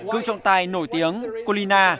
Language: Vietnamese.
cương trọng tài nổi tiếng colina